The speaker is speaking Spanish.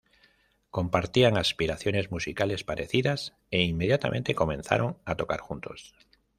Compartían aspiraciones musicales parecidas, e inmediatamente comenzaron a tocar juntos.